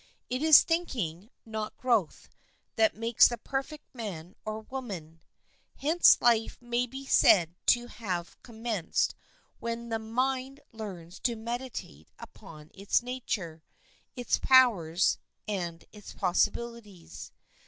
It is thinking, not growth, that makes the perfect man or woman. Hence life may be said to have commenced when the mind learns to meditate upon its nature, its powers, and its possibilities.